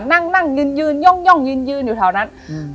นั่งนั่งยืนยืนย่องยืนยืนอยู่แถวนั้นอืม